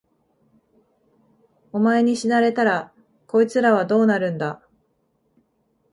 お前に死なれたら、こいつらはどうなるんだ。